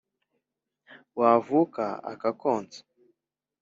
Wavuka akakonsa,